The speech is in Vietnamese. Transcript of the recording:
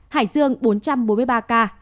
hải dương bốn trăm bốn mươi ba ca